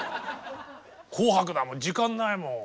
「紅白」だもん時間ないもん。